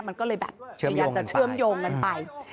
มันก็เลยแบบพยายามจะเชื่อมโยงกันไป